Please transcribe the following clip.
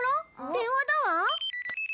電話だわ。